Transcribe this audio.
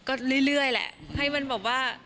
ก็เรื่อยแหละให้มันแบบว่า